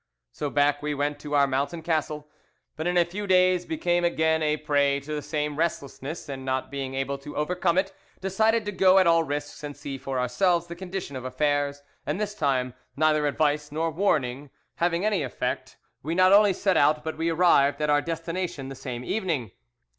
So back we went to our mountain castle, but in a few days became again a prey to the same restlessness, and, not being able to overcome it, decided to go at all risks and see for ourselves the condition of affairs; and this time, neither advice nor warning having any effect, we not only set out, but we arrived at our destination the same evening.